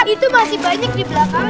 itu masih banyak di belakang